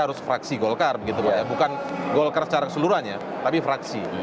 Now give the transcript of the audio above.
harus fraksi golkar bukan golkar secara keseluruhannya tapi fraksi